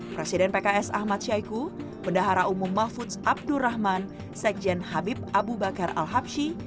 presiden pks ahmad syaiqo pendahara umum mahfudz abdurrahman sekjen habib abu bakar al habshi